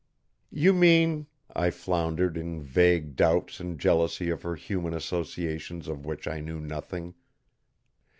"You mean," I floundered in vague doubts and jealousy of her human associations of which I knew nothing.